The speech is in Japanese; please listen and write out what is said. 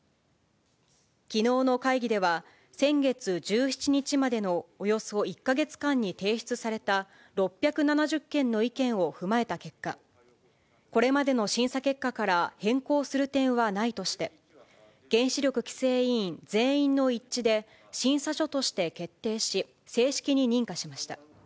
きのうの会議では、先月１７日までのおよそ１か月間に提出された６７０件の意見を踏まえた結果、これまでの審査結果から変更する点はないとして、原子力規制委員全員の一致で審査書として決定し、正式に認可しました。